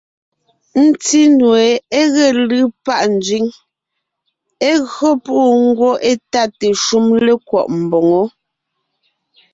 Ńtí nue é ge lʉ́ pâ nzẅíŋ, é gÿo púʼu, ngwɔ́ étáte shúm lékwɔ́ʼ mboŋó.